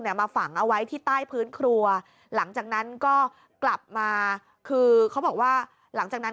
มาฝังเอาไว้ที่ใต้พื้นครัวหลังจากนั้นก็กลับมาคือเขาบอกว่าหลังจากนั้น